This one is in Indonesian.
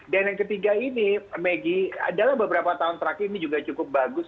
dan yang ketiga ini maggie dalam beberapa tahun terakhir ini juga cukup bagus